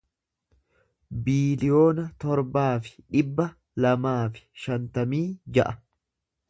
biiliyoona torbaa fi dhibba lamaa fi shantamii ja'a